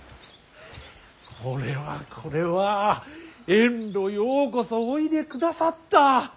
これはこれは遠路ようこそおいでくださった。